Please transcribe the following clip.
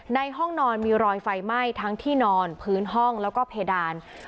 ในห้องนอนมีรอยไฟไหม้ทั้งที่นอนพื้นห้องแล้วก็เพดาน